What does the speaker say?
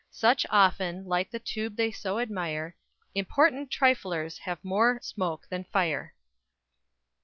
Such often, like the tube they so admire, Important triflers! have more smoke than fire.